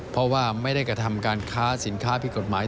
เพราะว่าไม่ได้กระทำการค้าสินค้าผิดกฎหมาย